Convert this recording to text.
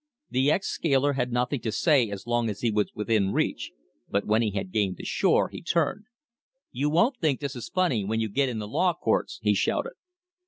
The ex scaler had nothing to say as long as he was within reach, but when he had gained the shore, he turned. "You won't think this is so funny when you get in the law courts!" he shouted.